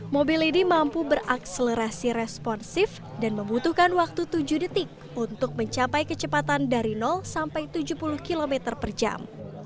mobil ini mampu berakselerasi responsif dan membutuhkan waktu tujuh detik untuk mencapai kecepatan dari sampai tujuh puluh km per jam